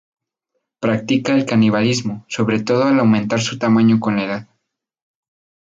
Practica el canibalismo, sobre todo al aumentar su tamaño con la edad.